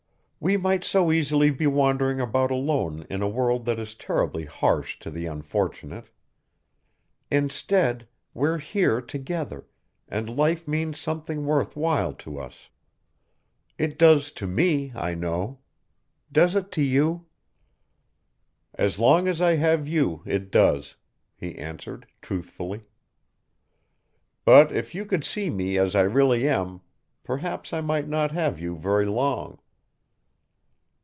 "We might so easily be wandering about alone in a world that is terribly harsh to the unfortunate. Instead we're here together, and life means something worth while to us. It does to me, I know. Does it to you?" "As long as I have you, it does," he answered truthfully. "But if you could see me as I really am, perhaps I might not have you very long."